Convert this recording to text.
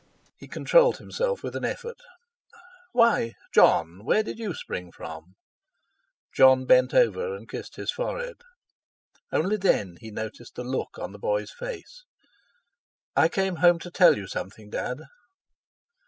He controlled himself with an effort. "Why, Jon, where did you spring from?" Jon bent over and kissed his forehead. Only then he noticed the look on the boy's face. "I came home to tell you something, Dad."